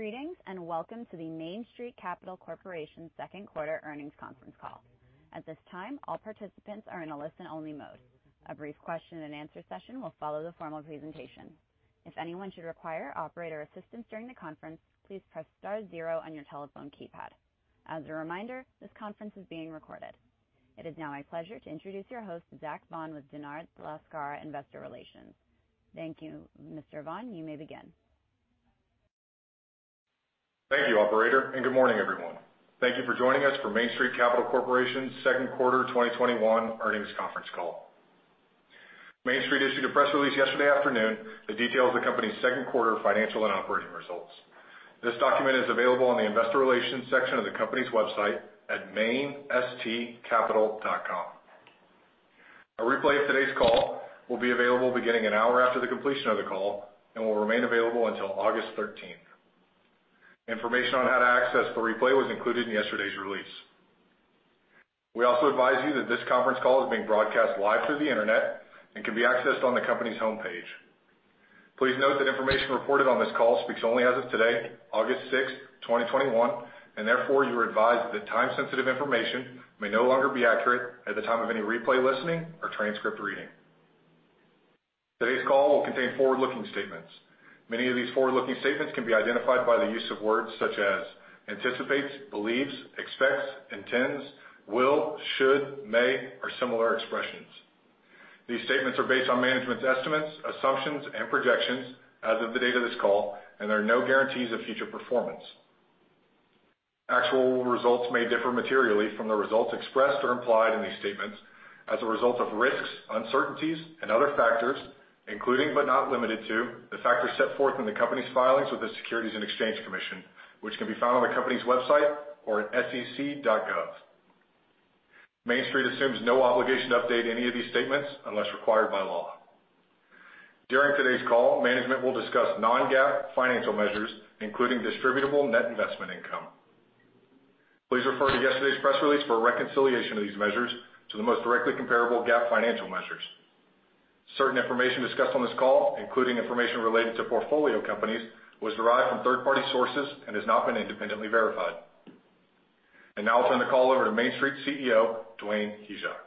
Greetings, and welcome to the Main Street Capital Corporation second quarter earnings conference call. At this time, all participants are in a listen only mode. A brief question and answer session will follow the formal presentation. If anyone should require operator assistance during the conference, please press star zero on your telephone keypad. As a reminder, this conference is being recorded. It is now my pleasure to introduce your host, Zach Vaughan, with Dennard Lascar Investor Relations. Thank you, Mr. Vaughan. You may begin. Thank you, operator, good morning, everyone. Thank you for joining us for Main Street Capital Corporation's second quarter 2021 earnings conference call. Main Street issued a press release yesterday afternoon that details the company's second quarter financial and operating results. This document is available on the investor relations section of the company's website at mainstcapital.com. A replay of today's call will be available beginning an hour after the completion of the call and will remain available until August 13th. Information on how to access the replay was included in yesterday's release. We also advise you that this conference call is being broadcast live through the internet and can be accessed on the company's homepage. Please note that information reported on this call speaks only as of today, August 6th, 2021, and therefore, you are advised that time-sensitive information may no longer be accurate at the time of any replay listening or transcript reading. Today's call will contain forward-looking statements. Many of these forward-looking statements can be identified by the use of words such as anticipates, believes, expects, intends, will, should, may, or similar expressions. These statements are based on management's estimates, assumptions, and projections as of the date of this call, and there are no guarantees of future performance. Actual results may differ materially from the results expressed or implied in these statements as a result of risks, uncertainties, and other factors, including but not limited to, the factors set forth in the company's filings with the Securities and Exchange Commission, which can be found on the company's website or at sec.gov. Main Street assumes no obligation to update any of these statements unless required by law. During today's call, management will discuss non-GAAP financial measures, including distributable net investment income. Please refer to yesterday's press release for a reconciliation of these measures to the most directly comparable GAAP financial measures. Certain information discussed on this call, including information related to portfolio companies, was derived from third-party sources and has not been independently verified. Now I'll turn the call over to Main Street CEO, Dwayne Hyzak.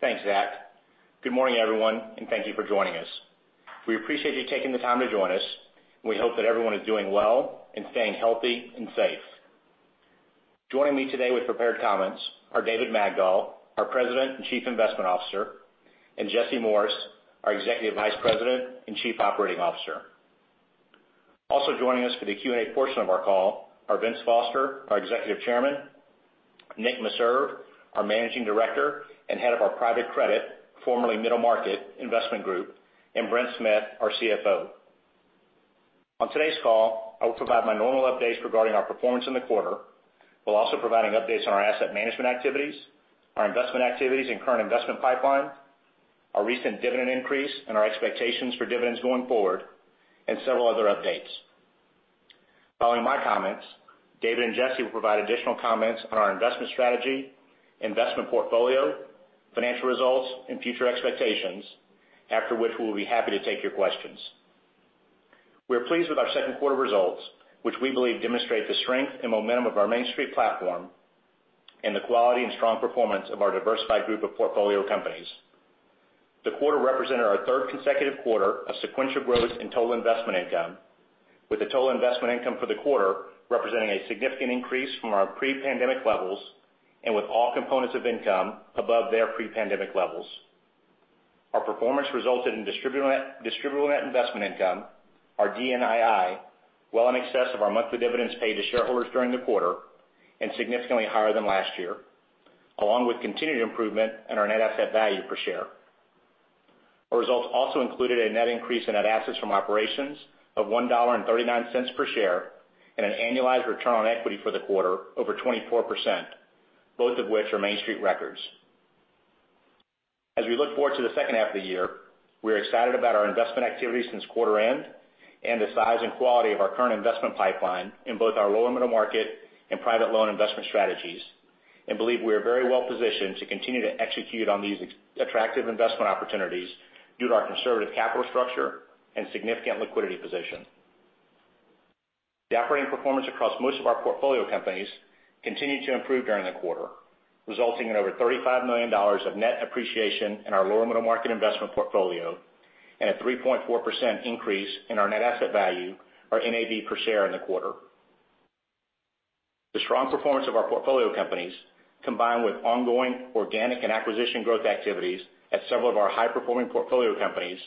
Thanks, Zach. Good morning, everyone, and thank you for joining us. We appreciate you taking the time to join us. We hope that everyone is doing well and staying healthy and safe. Joining me today with prepared comments are David Magdol, our President and Chief Investment Officer, and Jesse Morris, our Executive Vice President and Chief Operating Officer. Also joining us for the Q&A portion of our call are Vince Foster, our Executive Chairman, Nick Meserve, our Managing Director and Head of our Private Credit, formerly Middle Market investment group, and Brent Smith, our CFO. On today's call, I will provide my normal updates regarding our performance in the quarter, while also providing updates on our asset management activities, our investment activities and current investment pipeline, our recent dividend increase and our expectations for dividends going forward, and several other updates. Following my comments, David and Jesse will provide additional comments on our investment strategy, investment portfolio, financial results, and future expectations. After which, we will be happy to take your questions. We are pleased with our second quarter results, which we believe demonstrate the strength and momentum of our Main Street platform and the quality and strong performance of our diversified group of portfolio companies. The quarter represented our third consecutive quarter of sequential growth in total investment income, with the total investment income for the quarter representing a significant increase from our pre-pandemic levels and with all components of income above their pre-pandemic levels. Our performance resulted in distributable net investment income, our DNII, well in excess of our monthly dividends paid to shareholders during the quarter and significantly higher than last year, along with continued improvement in our net asset value per share. Our results also included a net increase in net assets from operations of $1.39 per share and an annualized return on equity for the quarter over 24%, both of which are Main Street records. As we look forward to the second half of the year, we are excited about our investment activities since quarter end and the size and quality of our current investment pipeline in both our lower middle market and private loan investment strategies and believe we are very well positioned to continue to execute on these attractive investment opportunities due to our conservative capital structure and significant liquidity position. The operating performance across most of our portfolio companies continued to improve during the quarter, resulting in over $35 million of net appreciation in our lower middle market investment portfolio and a 3.4% increase in our net asset value, our NAV per share in the quarter. The strong performance of our portfolio companies, combined with ongoing organic and acquisition growth activities at several of our high-performing portfolio companies,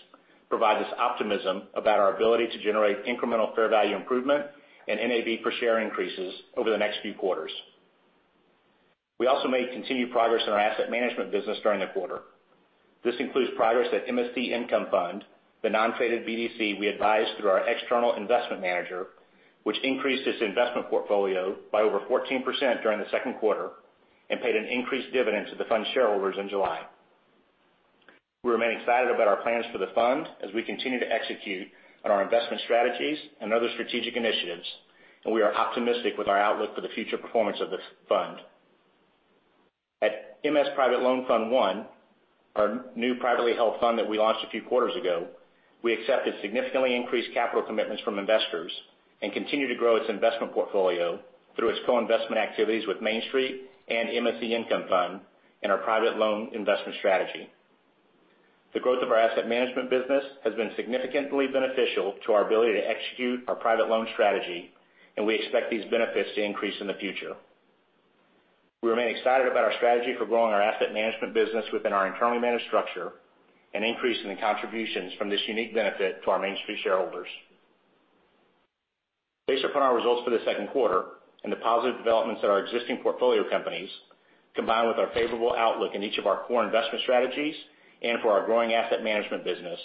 provide us optimism about our ability to generate incremental fair value improvement and NAV per share increases over the next few quarters. We also made continued progress in our asset management business during the quarter. This includes progress at MSC Income Fund, the non-traded BDC we advise through our external investment manager, which increased its investment portfolio by over 14% during the second quarter and paid an increased dividend to the fund shareholders in July. We remain excited about our plans for the fund as we continue to execute on our investment strategies and other strategic initiatives, and we are optimistic with our outlook for the future performance of this fund. At MS Private Loan Fund I, our new privately held fund that we launched a few quarters ago, we accepted significantly increased capital commitments from investors and continue to grow its investment portfolio through its co-investment activities with Main Street and MSC Income Fund in our private loan investment strategy. The growth of our asset management business has been significantly beneficial to our ability to execute our private loan strategy, and we expect these benefits to increase in the future. We remain excited about our strategy for growing our asset management business within our internally managed structure and increasing the contributions from this unique benefit to our Main Street shareholders. Based upon our results for the second quarter and the positive developments at our existing portfolio companies, combined with our favorable outlook in each of our core investment strategies and for our growing asset management business,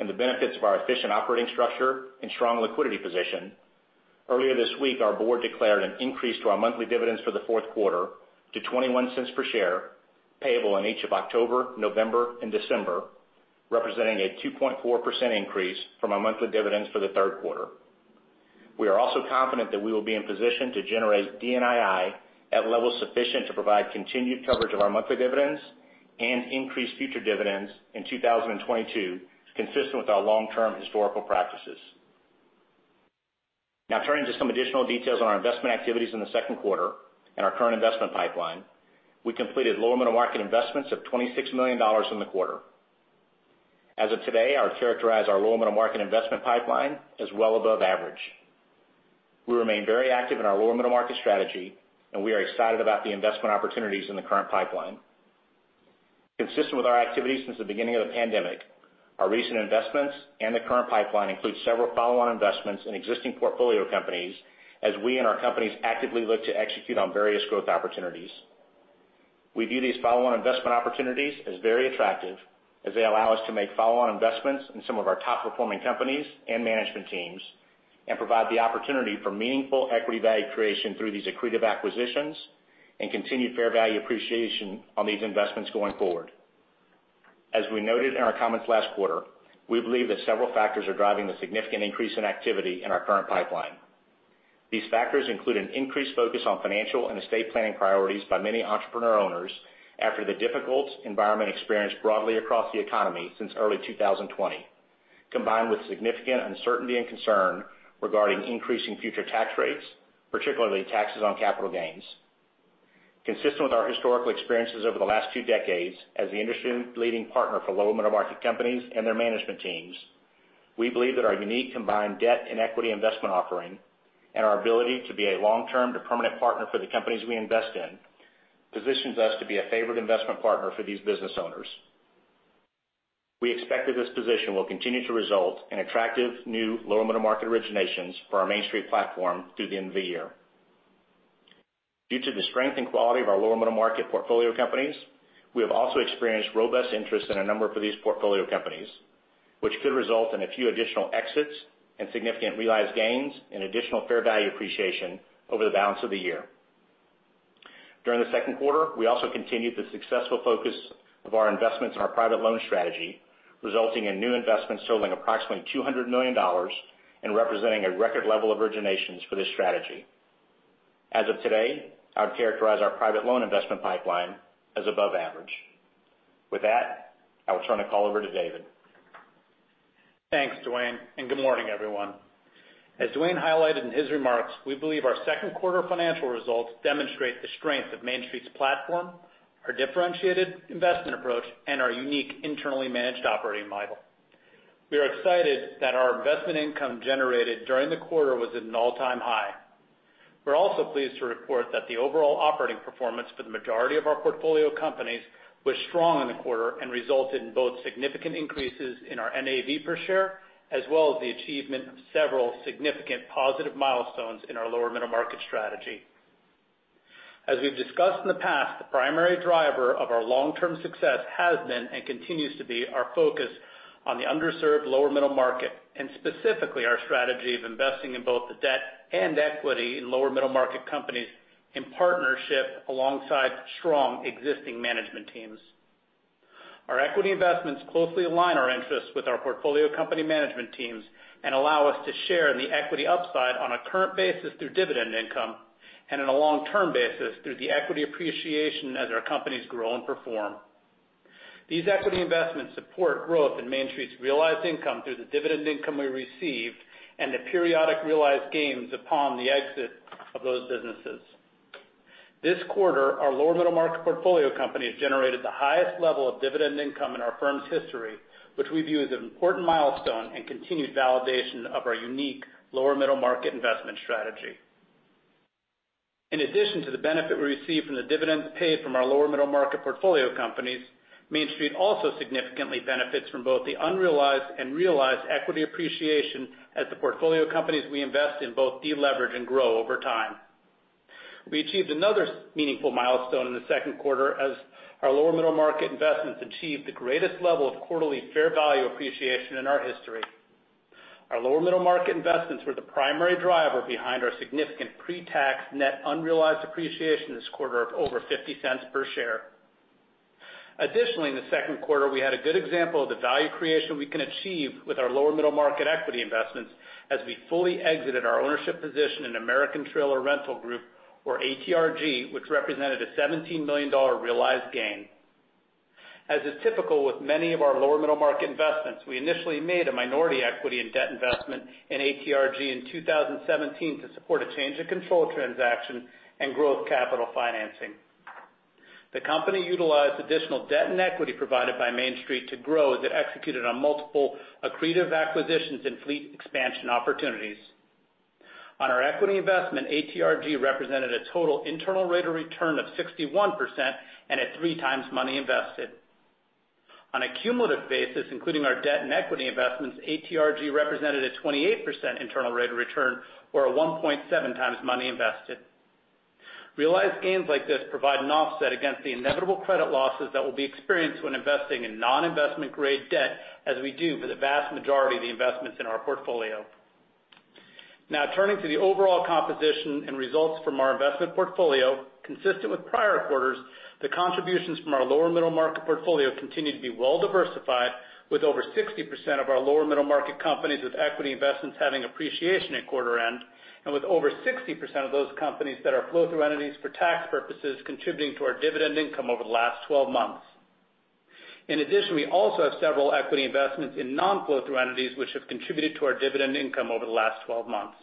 and the benefits of our efficient operating structure and strong liquidity position, earlier this week, our board declared an increase to our monthly dividends for the fourth quarter to $0.21 per share, payable in each of October, November, and December, representing a 2.4% increase from our monthly dividends for the third quarter. We are also confident that we will be in position to generate DNII at levels sufficient to provide continued coverage of our monthly dividends and increase future dividends in 2022, consistent with our long-term historical practices. Turning to some additional details on our investment activities in the second quarter and our current investment pipeline. We completed lower middle market investments of $26 million in the quarter. As of today, I would characterize our lower middle market investment pipeline as well above average. We remain very active in our lower middle market strategy, and we are excited about the investment opportunities in the current pipeline. Consistent with our activities since the beginning of the pandemic, our recent investments and the current pipeline includes several follow-on investments in existing portfolio companies as we and our companies actively look to execute on various growth opportunities. We view these follow-on investment opportunities as very attractive, as they allow us to make follow-on investments in some of our top-performing companies and management teams, and provide the opportunity for meaningful equity value creation through these accretive acquisitions and continued fair value appreciation on these investments going forward. As we noted in our comments last quarter, we believe that several factors are driving the significant increase in activity in our current pipeline. These factors include an increased focus on financial and estate planning priorities by many entrepreneur owners after the difficult environment experienced broadly across the economy since early 2020, combined with significant uncertainty and concern regarding increasing future tax rates, particularly taxes on capital gains. Consistent with our historical experiences over the last two decades as the industry-leading partner for lower middle market companies and their management teams, we believe that our unique combined debt and equity investment offering and our ability to be a long-term to permanent partner for the companies we invest in positions us to be a favored investment partner for these business owners. We expect that this position will continue to result in attractive new lower middle market originations for our Main Street platform through the end of the year. Due to the strength and quality of our lower middle market portfolio companies, we have also experienced robust interest in a number of these portfolio companies, which could result in a few additional exits and significant realized gains and additional fair value appreciation over the balance of the year. During the second quarter, we also continued the successful focus of our investments in our private loan strategy, resulting in new investments totaling approximately $200 million and representing a record level of originations for this strategy. As of today, I would characterize our private loan investment pipeline as above average. With that, I will turn the call over to David. Thanks, Dwayne, and good morning, everyone. As Dwayne highlighted in his remarks, we believe our second quarter financial results demonstrate the strength of Main Street's platform, our differentiated investment approach, and our unique internally managed operating model. We are excited that our investment income generated during the quarter was at an all-time high. We're also pleased to report that the overall operating performance for the majority of our portfolio companies was strong in the quarter and resulted in both significant increases in our NAV per share, as well as the achievement of several significant positive milestones in our lower middle market strategy. As we've discussed in the past, the primary driver of our long-term success has been and continues to be our focus on the underserved lower middle market, and specifically our strategy of investing in both the debt and equity in lower middle market companies in partnership alongside strong existing management teams. Our equity investments closely align our interests with our portfolio company management teams and allow us to share in the equity upside on a current basis through dividend income and on a long-term basis through the equity appreciation as our companies grow and perform. These equity investments support growth in Main Street's realized income through the dividend income we received and the periodic realized gains upon the exit of those businesses. This quarter, our lower middle market portfolio companies generated the highest level of dividend income in our firm's history, which we view as an important milestone and continued validation of our unique lower middle market investment strategy. In addition to the benefit we receive from the dividends paid from our lower middle market portfolio companies, Main Street also significantly benefits from both the unrealized and realized equity appreciation as the portfolio companies we invest in both deleverage and grow over time. We achieved another meaningful milestone in the second quarter as our lower middle market investments achieved the greatest level of quarterly fair value appreciation in our history. Our lower middle market investments were the primary driver behind our significant pre-tax net unrealized appreciation this quarter of over $0.50 per share. In the second quarter, we had a good example of the value creation we can achieve with our lower middle market equity investments as we fully exited our ownership position in American Trailer Rental Group, or ATRG, which represented a $17 million realized gain. As is typical with many of our lower middle market investments, we initially made a minority equity in debt investment in ATRG in 2017 to support a change of control transaction and growth capital financing. The company utilized additional debt and equity provided by Main Street to grow as it executed on multiple accretive acquisitions and fleet expansion opportunities. On our equity investment, ATRG represented a total internal rate of return of 61% and at 3x money invested. On a cumulative basis, including our debt and equity investments, ATRG represented a 28% internal rate of return or a 1.7x money invested. Realized gains like this provide an offset against the inevitable credit losses that will be experienced when investing in non-investment grade debt, as we do for the vast majority of the investments in our portfolio. Turning to the overall composition and results from our investment portfolio. Consistent with prior quarters, the contributions from our Lower Middle Market portfolio continue to be well-diversified, with over 60% of our Lower Middle Market companies with equity investments having appreciation at quarter end, and with over 60% of those companies that are flow-through entities for tax purposes contributing to our dividend income over the last 12 months. In addition, we also have several equity investments in non-flow-through entities, which have contributed to our dividend income over the last 12 months.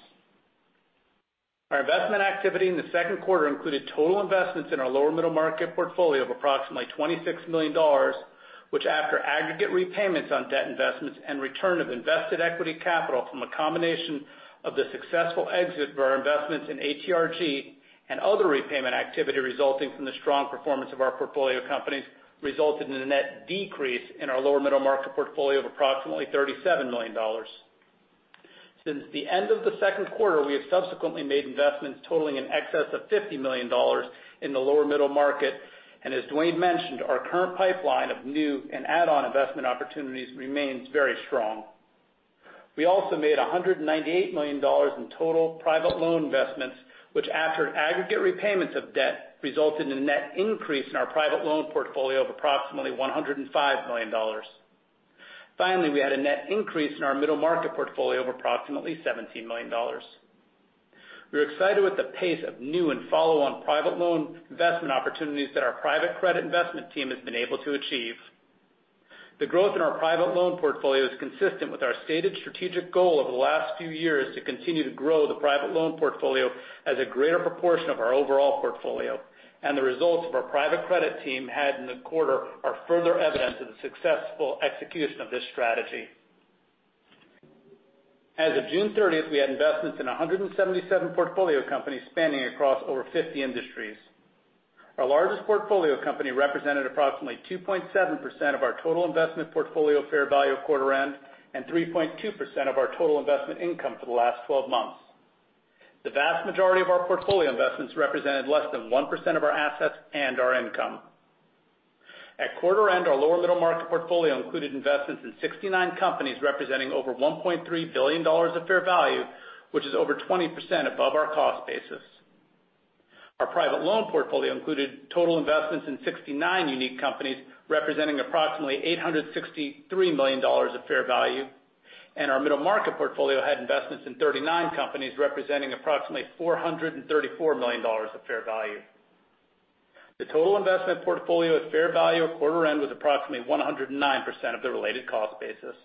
Our investment activity in the second quarter included total investments in our lower middle market portfolio of approximately $26 million, which, after aggregate repayments on debt investments and return of invested equity capital from a combination of the successful exit of our investments in ATRG and other repayment activity resulting from the strong performance of our portfolio companies, resulted in a net decrease in our lower middle market portfolio of approximately $37 million. Since the end of the second quarter, we have subsequently made investments totaling in excess of $50 million in the lower middle market. As Dwayne mentioned, our current pipeline of new and add-on investment opportunities remains very strong. We also made $198 million in total private loan investments, which after aggregate repayments of debt, resulted in a net increase in our private loan portfolio of approximately $105 million. Finally, we had a net increase in our middle market portfolio of approximately $17 million. We are excited with the pace of new and follow-on private loan investment opportunities that our private credit investment team has been able to achieve. The growth in our private loan portfolio is consistent with our stated strategic goal over the last few years to continue to grow the private loan portfolio as a greater proportion of our overall portfolio. The results of our private credit team had in the quarter are further evidence of the successful execution of this strategy. As of June 30th, we had investments in 177 portfolio companies spanning across over 50 industries. Our largest portfolio company represented approximately 2.7% of our total investment portfolio fair value at quarter end, and 3.2% of our total investment income for the last 12 months. The vast majority of our portfolio investments represented less than 1% of our assets and our income. At quarter end, our lower middle market portfolio included investments in 69 companies, representing over $1.3 billion of fair value, which is over 20% above our cost basis. Our private loan portfolio included total investments in 69 unique companies, representing approximately $863 million of fair value. Our middle market portfolio had investments in 39 companies, representing approximately $434 million of fair value. The total investment portfolio at fair value at quarter end was approximately 109% of the related cost basis.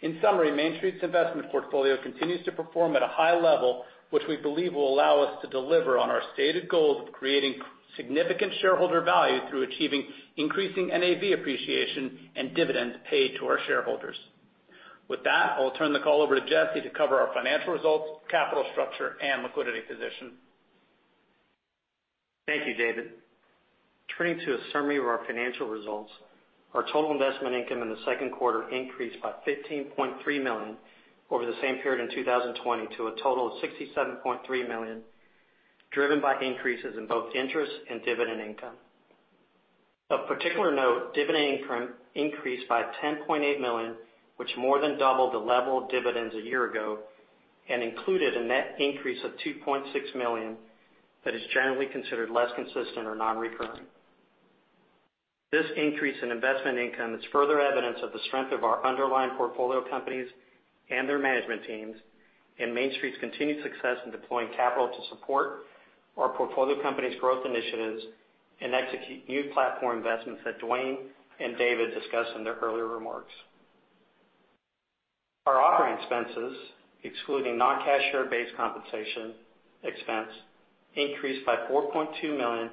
In summary, Main Street's investment portfolio continues to perform at a high level, which we believe will allow us to deliver on our stated goals of creating significant shareholder value through achieving increasing NAV appreciation and dividends paid to our shareholders. With that, I will turn the call over to Jesse to cover our financial results, capital structure and liquidity position. Thank you, David. Turning to a summary of our financial results. Our total investment income in the second quarter increased by $15.3 million over the same period in 2020 to a total of $67.3 million, driven by increases in both interest and dividend income. Of particular note, dividend income increased by $10.8 million, which more than doubled the level of dividends a year ago and included a net increase of $2.6 million that is generally considered less consistent or non-recurring. This increase in investment income is further evidence of the strength of our underlying portfolio companies and their management teams, and Main Street's continued success in deploying capital to support our portfolio company's growth initiatives and execute new platform investments that Dwayne and David discussed in their earlier remarks. Our operating expenses, excluding non-cash share-based compensation expense, increased by $4.2 million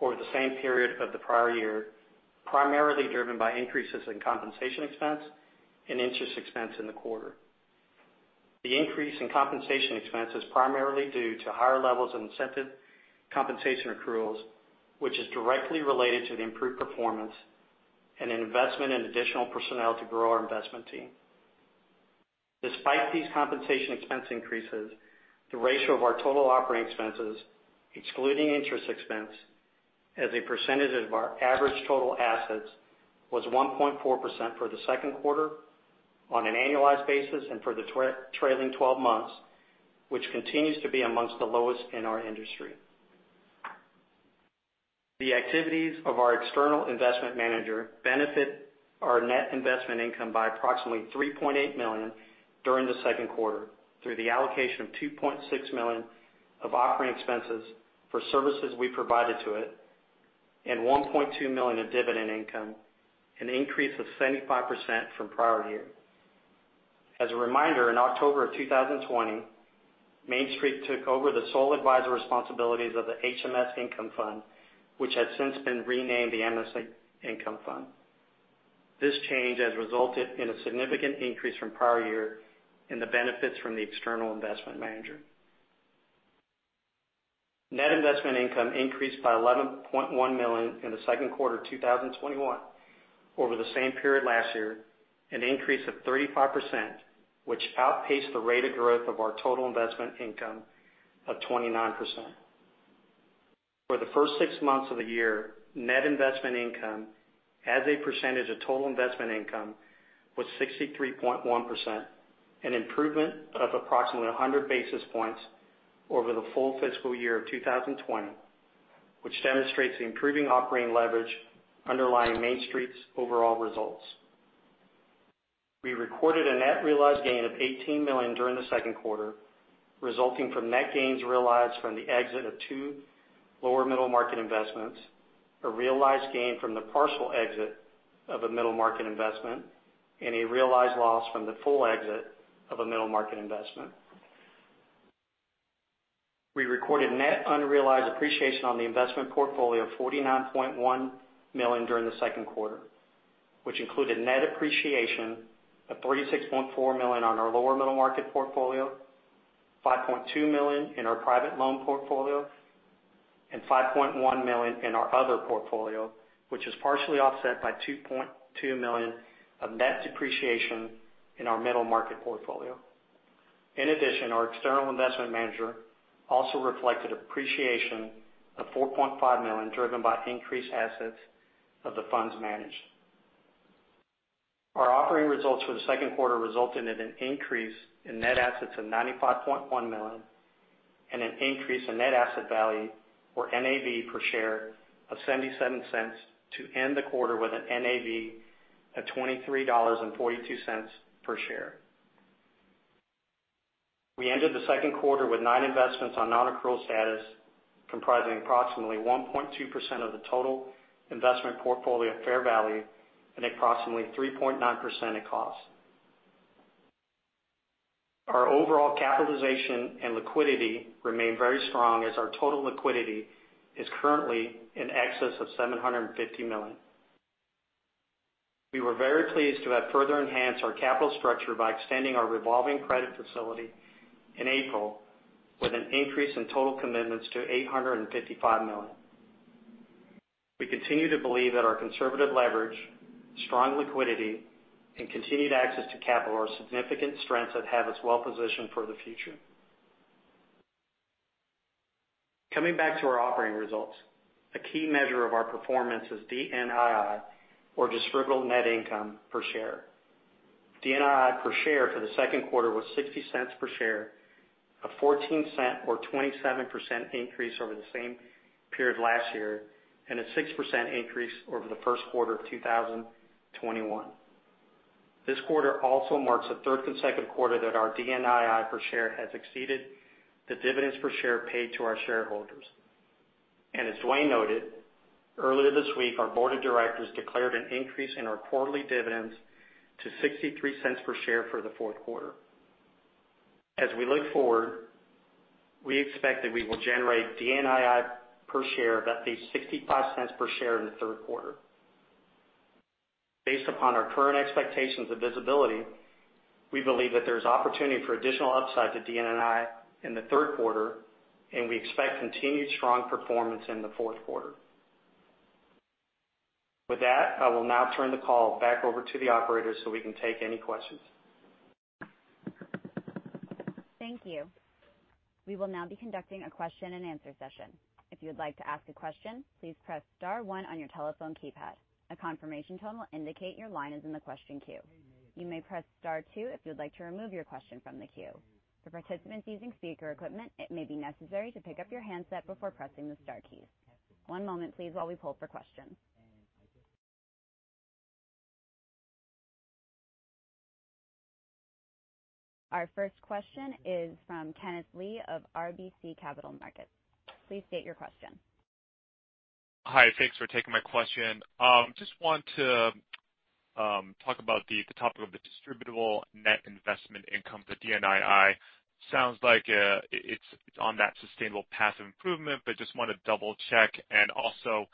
over the same period of the prior year, primarily driven by increases in compensation expense and interest expense in the quarter. The increase in compensation expense is primarily due to higher levels of incentive compensation accruals, which is directly related to the improved performance and an investment in additional personnel to grow our investment team. Despite these compensation expense increases, the ratio of our total operating expenses, excluding interest expense as a percentage of our average total assets, was 1.4% for the second quarter on an annualized basis and for the trailing 12 months. Which continues to be among the lowest in our industry. The activities of our external investment manager benefit our net investment income by approximately $3.8 million during the second quarter, through the allocation of $2.6 million of operating expenses for services we provided to it, and $1.2 million in dividend income, an increase of 75% from prior year. As a reminder, in October of 2020, Main Street took over the sole advisor responsibilities of the HMS Income Fund, which has since been renamed the MSC Income Fund. This change has resulted in a significant increase from prior year in the benefits from the external investment manager. Net investment income increased by $11.1 million in the second quarter 2021 over the same period last year, an increase of 35%, which outpaced the rate of growth of our total investment income of 29%. For the first six months of the year, net investment income as a percentage of total investment income was 63.1%, an improvement of approximately 100 basis points over the full fiscal year of 2020, which demonstrates the improving operating leverage underlying Main Street's overall results. We recorded a net realized gain of $18 million during the second quarter, resulting from net gains realized from the exit of two lower middle market investments, a realized gain from the partial exit of a middle market investment, and a realized loss from the full exit of a middle market investment. We recorded net unrealized appreciation on the investment portfolio of $49.1 million during the second quarter, which included net appreciation of $36.4 million on our lower middle market portfolio, $5.2 million in our private loan portfolio, and $5.1 million in our other portfolio, which is partially offset by $2.2 million of net depreciation in our middle market portfolio. In addition, our external investment manager also reflected appreciation of $4.5 million, driven by increased assets of the funds managed. Our operating results for the second quarter resulted in an increase in net assets of $95.1 million and an increase in net asset value, or NAV, per share of $0.77 to end the quarter with an NAV of $23.42 per share. We ended the second quarter with nine investments on non-accrual status, comprising approximately 1.2% of the total investment portfolio fair value and approximately 3.9% at cost. Our overall capitalization and liquidity remain very strong as our total liquidity is currently in excess of $750 million. We were very pleased to have further enhanced our capital structure by extending our revolving credit facility in April with an increase in total commitments to $855 million. We continue to believe that our conservative leverage, strong liquidity, and continued access to capital are significant strengths that have us well positioned for the future. Coming back to our operating results, a key measure of our performance is DNII, or distributable net investment income per share. DNII per share for the second quarter was $0.60 per share, a $0.14 or 27% increase over the same period last year, and a 6% increase over the first quarter of 2021. This quarter also marks the third consecutive quarter that our DNII per share has exceeded the dividends per share paid to our shareholders. As Dwayne noted, earlier this week, our board of directors declared an increase in our quarterly dividends to $0.63 per share for the fourth quarter. As we look forward, we expect that we will generate DNII per share of at least $0.65 per share in the third quarter. Based upon our current expectations of visibility, we believe that there's opportunity for additional upside to DNII in the third quarter, and we expect continued strong performance in the fourth quarter. With that, I will now turn the call back over to the operator so we can take any questions. Thank you. We will now be conducting a question and answer session. Our first question is from Kenneth Lee of RBC Capital Markets. Please state your question. Hi. Thanks for taking my question. Just want to talk about the topic of the distributable net investment income, the DNII. Sounds like it's on that sustainable path of improvement, but just want to double-check and also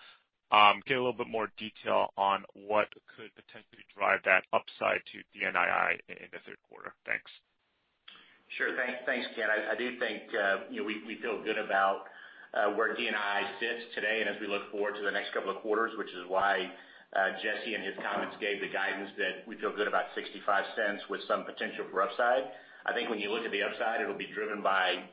get a little bit more detail on what could potentially drive that upside to DNII in the third quarter. Thanks. Sure. Thanks, Ken. I do think we feel good about where DNII sits today and as we look forward to the next couple of quarters, which is why Jesse in his comments gave the guidance that we feel good about $0.65 with some potential for upside. I think when you look at the upside, it'll be driven by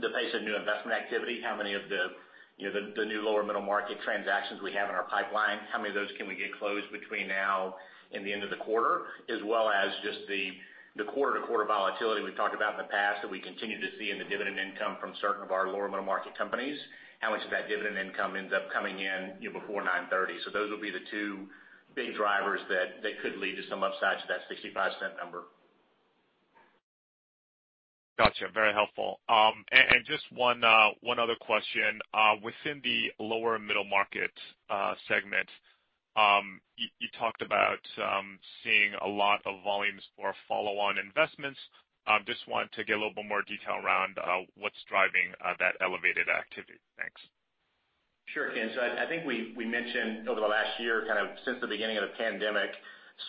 The pace of new investment activity, how many of the new lower middle market transactions we have in our pipeline, how many of those can we get closed between now and the end of the quarter, as well as just the quarter-to-quarter volatility we've talked about in the past that we continue to see in the dividend income from certain of our lower middle market companies. How much of that dividend income ends up coming in before 9:30. Those will be the two big drivers that could lead to some upside to that $0.65 number. Got you. Very helpful. Just one other question. Within the lower middle market segment, you talked about seeing a lot of volumes for follow-on investments. Just wanted to get a little bit more detail around what's driving that elevated activity. Thanks. Sure, Ken. I think we mentioned over the last year, since the beginning of the pandemic,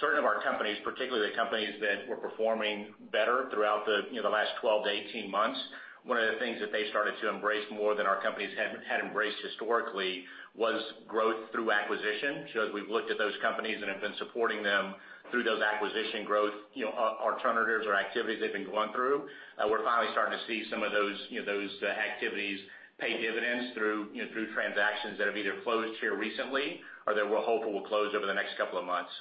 certain of our companies, particularly the companies that were performing better throughout the last 12 to 18 months, one of the things that they started to embrace more than our companies had embraced historically was growth through acquisition. As we've looked at those companies and have been supporting them through those acquisition growth alternatives or activities they've been going through, we're finally starting to see some of those activities pay dividends through transactions that have either closed here recently or that we're hopeful will close over the next couple of months.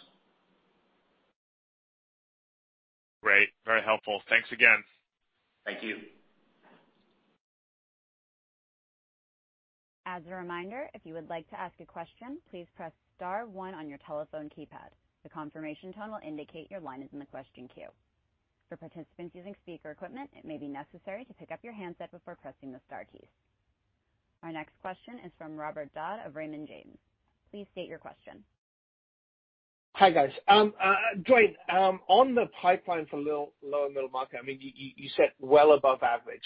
Great. Very helpful. Thanks again. Thank you. Our next question is from Robert Dodd of Raymond James. Please state your question. Hi, guys. Dwayne, on the pipeline for lower middle market, you said well above average.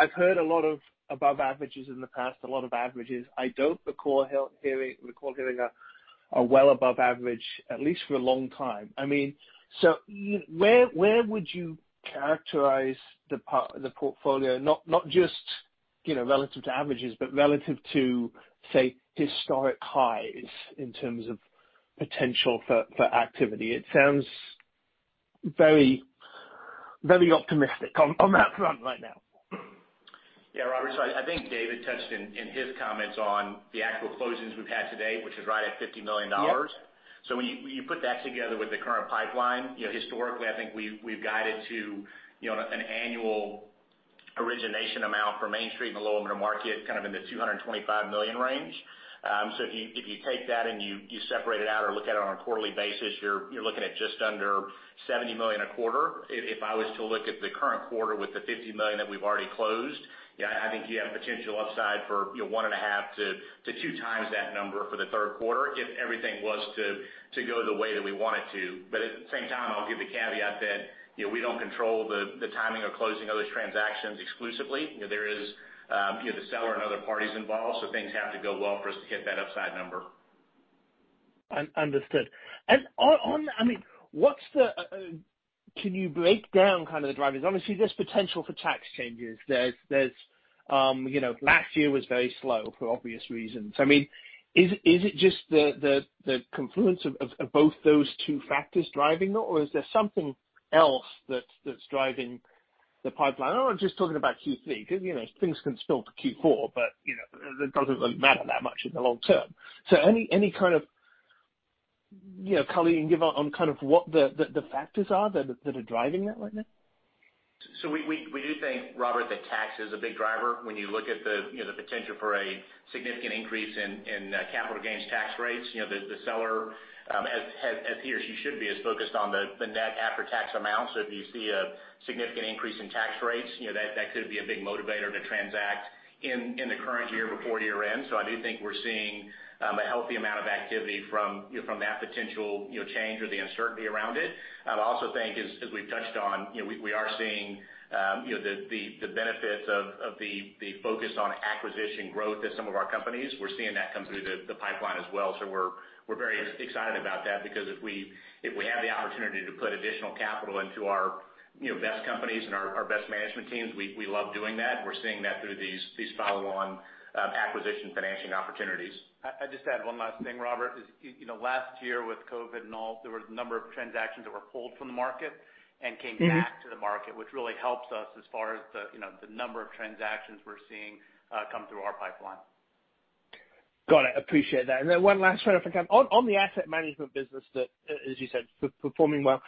I've heard a lot of above averages in the past, a lot of averages. I don't recall hearing a well above average, at least for a long time. Where would you characterize the portfolio, not just relative to averages, but relative to, say, historic highs in terms of potential for activity? It sounds very optimistic on that front right now. Yeah, Robert, I think David touched in his comments on the actual closings we've had to date, which is right at $50 million. Yeah. When you put that together with the current pipeline, historically, I think we've guided to an annual origination amount for Main Street in the lower middle market kind of in the $225 million range. If you take that and you separate it out or look at it on a quarterly basis, you're looking at just under $70 million a quarter. If I was to look at the current quarter with the $50 million that we've already closed, I think you have potential upside for 1.5x to 2x that number for the third quarter if everything was to go the way that we want it to. At the same time, I'll give the caveat that we don't control the timing of closing of those transactions exclusively. There is the seller and other parties involved, things have to go well for us to hit that upside number. Understood. Can you break down kind of the drivers? Obviously, there's potential for tax changes. Last year was very slow for obvious reasons. Is it just the confluence of both those two factors driving it, or is there something else that's driving the pipeline? I'm just talking about Q3 because things can spill to Q4, but it doesn't matter that much in the long term. Any kind of color you can give on what the factors are that are driving that right now? We do think, Robert, that tax is a big driver when you look at the potential for a significant increase in capital gains tax rates. The seller, as he or she should be, is focused on the net after-tax amount. If you see a significant increase in tax rates, that could be a big motivator to transact in the current year before year-end. I do think we're seeing a healthy amount of activity from that potential change or the uncertainty around it. I would also think as we've touched on, we are seeing the benefits of the focus on acquisition growth at some of our companies. We're seeing that come through the pipeline as well. We're very excited about that because if we have the opportunity to put additional capital into our best companies and our best management teams, we love doing that. We're seeing that through these follow-on acquisition financing opportunities. I'd just add one last thing, Robert, is last year with COVID and all, there were a number of transactions that were pulled from the market and came back to the market, which really helps us as far as the number of transactions we're seeing come through our pipeline. Got it. Appreciate that. One last one if I can. On the asset management business that, as you said, performing well,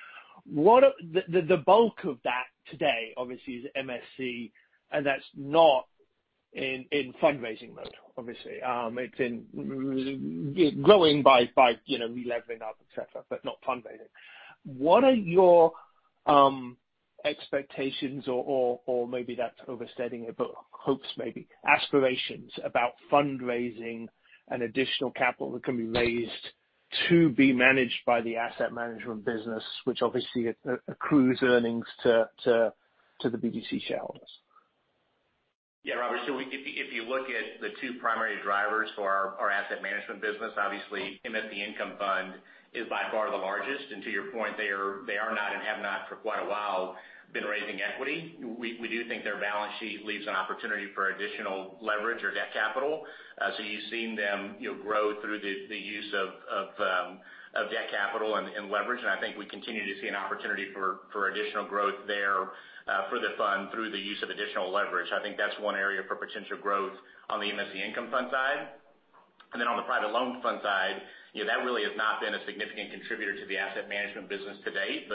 the bulk of that today obviously is MSC and that's not in fundraising mode, obviously. It's been growing by relevering up, et cetera, but not fundraising. What are your expectations, or maybe that's overstating it, but hopes maybe, aspirations about fundraising and additional capital that can be raised to be managed by the asset management business, which obviously accrues earnings to the BDC shareholders? Robert, if you look at the two primary drivers for our asset management business, obviously MSC Income Fund is by far the largest. To your point, they are not and have not for quite a while been raising equity. We do think their balance sheet leaves an opportunity for additional leverage or debt capital. You've seen them grow through the use of debt capital and leverage, and I think we continue to see an opportunity for additional growth there for the fund through the use of additional leverage. I think that's one area for potential growth on the MSC Income Fund side. On the private loan fund side, that really has not been a significant contributor to the asset management business to date.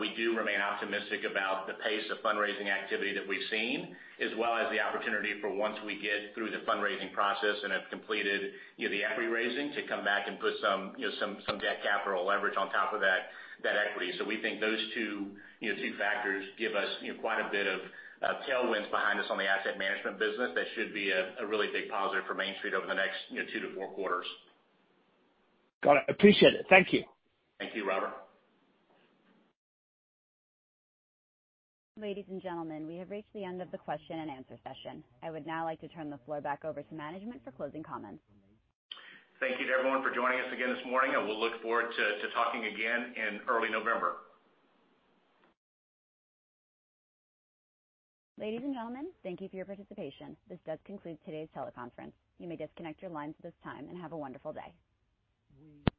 We do remain optimistic about the pace of fundraising activity that we've seen, as well as the opportunity for once we get through the fundraising process and have completed the equity raising to come back and put some debt capital leverage on top of that equity. We think those two factors give us quite a bit of tailwinds behind us on the asset management business that should be a really big positive for Main Street over the next two to four quarters. Got it. Appreciate it. Thank you. Thank you, Robert. Ladies and gentlemen, we have reached the end of the question and answer session. I would now like to turn the floor back over to management for closing comments. Thank you to everyone for joining us again this morning. We'll look forward to talking again in early November. Ladies and gentlemen, thank you for your participation. This does conclude today's teleconference. You may disconnect your lines at this time, and have a wonderful day.